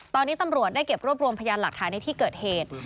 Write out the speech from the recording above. ตอนนี้ตำรวจได้เก็บรวบรวมพยานหลักฐานในที่เกิดเหตุ